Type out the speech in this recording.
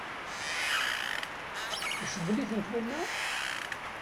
Icewwel-iten winna?